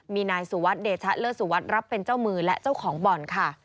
มีนายสุวัสดิเดชะเลิศสุวัสดิ์รับเป็นเจ้ามือและเจ้าของบ่อนค่ะ